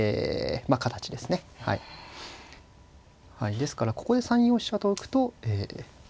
ですからここで３四飛車と浮くと。